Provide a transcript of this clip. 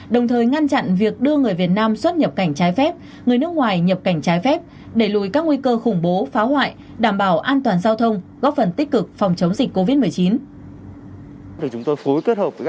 đồng thời ngăn chặn việc đưa người việt nam xuất nhập cảnh trái phép người nước ngoài nhập cảnh trái phép đẩy lùi các nguy cơ khủng bố phá hoại đảm bảo an toàn giao thông góp phần tích cực phòng chống dịch covid một mươi chín